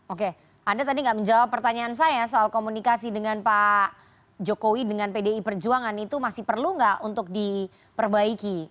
oke anda tadi nggak menjawab pertanyaan saya soal komunikasi dengan pak jokowi dengan pdi perjuangan itu masih perlu nggak untuk diperbaiki